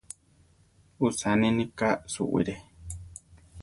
Usaninika suwire.